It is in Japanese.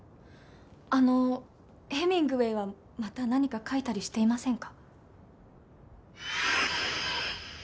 あのヘミングウェイはまた何か描いたりしていませんか？